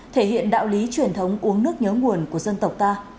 thể hiện đạo lý truyền thống uống nước nhớ nguồn của dân tộc ta